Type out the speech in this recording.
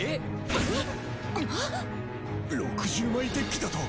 ６０枚デッキだと？